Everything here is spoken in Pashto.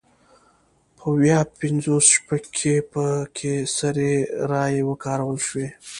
په ویا پینځوس شپږ کې پکې سري رایې وکارول شوې.